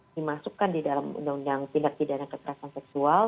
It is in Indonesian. dimasukkan di dalam undang undang tindak pidana kekerasan seksual